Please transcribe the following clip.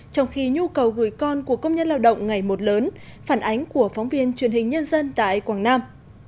trong khi nhu cầu gửi con của công nhân lao động ngày một lớn phản ánh của phóng viên truyền hình nhân dân tại quảng nam